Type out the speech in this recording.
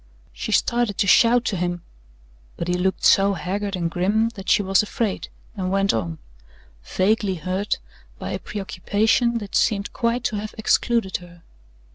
She started to shout to him, but he looked so haggard and grim that she was afraid, and went on, vaguely hurt by a preoccupation that seemed quite to have excluded her.